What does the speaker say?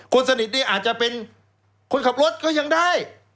คนสนิทนี่อาจจะเป็นคนขับรถก็ยังได้